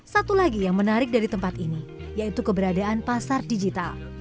satu lagi yang menarik dari tempat ini yaitu keberadaan pasar digital